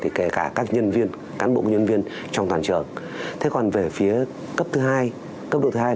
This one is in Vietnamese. thì kể cả các nhân viên cán bộ nhân viên trong toàn trường thế còn về phía cấp thứ hai cấp độ thứ hai